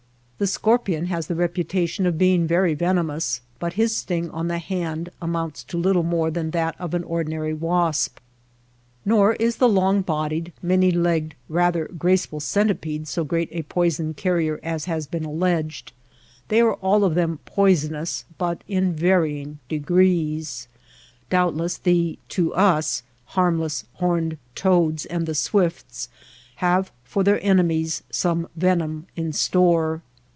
The scorpion has the reputation of being very venomous ; but his sting on the hand amounts to little more than that of an ordinary wasp. Nor is the long bodied, many legged, rather graceful centipede so great a poison carrier as has been alleged. They are all of them poi sonous, but in varying degrees. Doubtless the (to us) harmless horned toads and the swifts have for their enemies some venom in store.